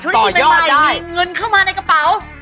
กินใหม่มีเงินเข้ามาในกระเป๋า